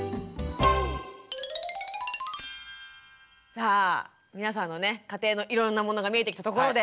さあ皆さんのね家庭のいろんなものが見えてきたところで。